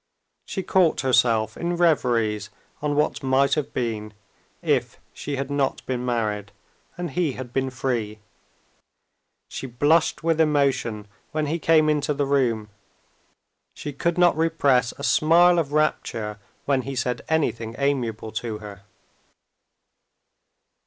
She caught herself in reveries on what might have been, if she had not been married and he had been free. She blushed with emotion when he came into the room, she could not repress a smile of rapture when he said anything amiable to her.